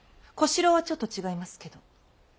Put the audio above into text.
小四郎はちょっと違いますけど。